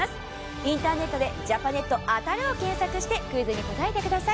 インターネットでジャパネット当たるで検索してクイズに答えてください。